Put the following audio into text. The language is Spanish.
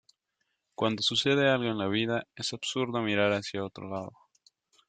cuando sucede algo en la vida es absurdo mirar hacia otro lado